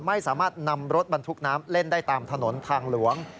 ไม่สามารถนำรถบรรทุกน้ำเล่นได้ตามถนนทางหลวง